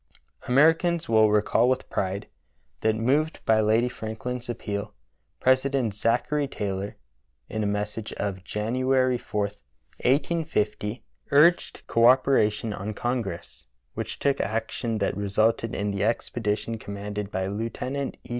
Americans will recall with pride that, moved by Lady FrankUn's appeal, President Zachary Taylor, in a mes sage of January 4, 1850, urged co operation on Congress, which took action that resulted in the expedition com manded by Lieutenant E.